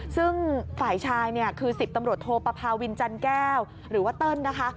ซึ่งฝ่ายชายเนี่ยคือ๑๐ตำรวจโทปภาวินจันแก้วหรือว่าเติ้ลนะคะ